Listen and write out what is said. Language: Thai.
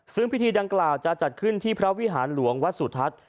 ซึ่งพิธีดังกล่าวจะจัดขึ้นที่พระวิหารหลวงวัดสุทัศน์